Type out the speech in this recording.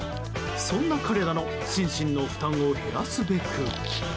そんな彼らの心身の負担を減らすべく。